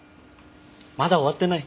まだ終わってない。